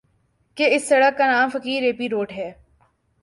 کہ اِس سڑک کا نام فقیر ایپی روڈ ہے